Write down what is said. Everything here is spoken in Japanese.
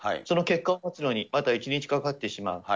その結果を待つのに、また１日、２日かかってしまう。